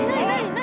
何？